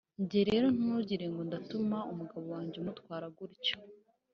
njye rero ntugirengo ndatuma umugabo wanjye umutwara gutyo.